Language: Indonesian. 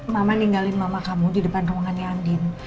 mama ninggalin mama kamu di depan ruangannya andin